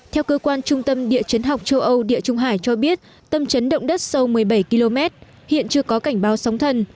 theo cơ quan trung tâm địa chấn học châu âu địa trung hải cho biết tâm trấn động đất sâu một mươi bảy km hiện chưa có cảnh báo sóng thần